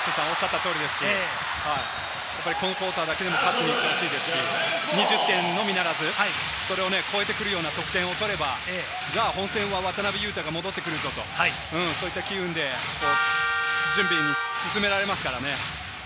このクオーターだけでも勝ちにいってほしいですし、２０点のみならず、それを超えてくるような得点を取れば、本戦は渡邊雄太が戻ってくる、そういった機運で準備が進められますからね。